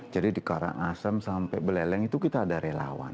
jadi di karangasem sampai beleleng itu kita ada relawan